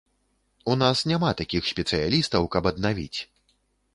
У нас няма такіх спецыялістаў, каб аднавіць.